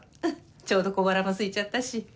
ちょうど小腹もすいちゃったし。